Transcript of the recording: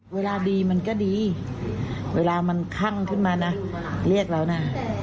เวลาดีมันก็ดีเวลามันคั่งขึ้นมานะเรียกเรานะ